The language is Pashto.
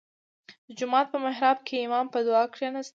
• د جومات په محراب کې امام په دعا کښېناست.